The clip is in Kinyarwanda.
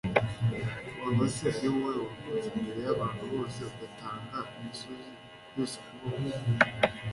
waba se ari wowe wavutse mbere y'abantu bose, ugatanga imisozi yose kubaho